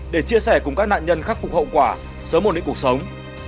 để chia sẻ cùng các nạn nhân khắc phục hậu quả sớm ổn định cuộc sống